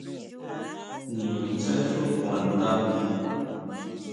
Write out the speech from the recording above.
Niñutsjé xú kuandá.